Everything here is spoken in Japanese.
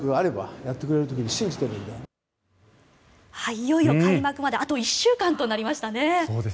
いよいよ開幕まであと１週間となりましたね。